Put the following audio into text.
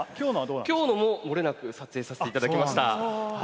今日のも漏れなく撮影させていただきました。